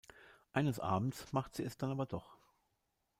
Eines Abends macht sie es dann aber doch.